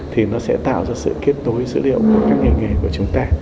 thì nó sẽ tạo ra sự kết tối dữ liệu của các nhà nghề của chúng ta